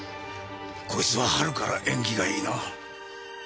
こいつは春から縁起がいいな。